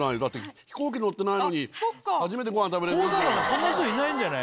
そんな人いないんじゃない？